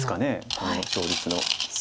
この勝率の。